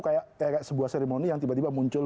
kayak sebuah seremoni yang tiba tiba muncul